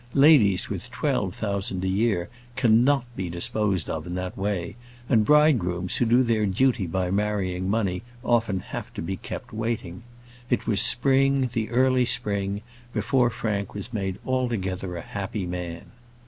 Ladies with twelve thousand a year cannot be disposed of in that way: and bridegrooms who do their duty by marrying money often have to be kept waiting. It was spring, the early spring, before Frank was made altogether a happy man.